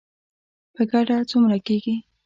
په ګډه څومره کیږي؟